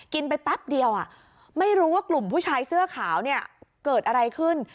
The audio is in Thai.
ไปแป๊บเดียวไม่รู้ว่ากลุ่มผู้ชายเสื้อขาวเนี่ยเกิดอะไรขึ้น